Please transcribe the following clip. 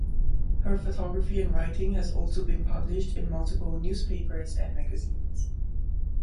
Her photography and writing has also been published in multiple newspapers and magazines.